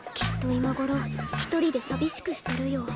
今頃一人で寂しくしてるよ